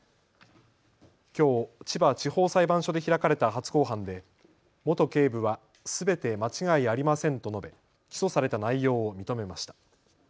きょう千葉地方裁判所で開かれた初公判で元警部はすべて間違いありませんと述べ起訴された内容を認めました。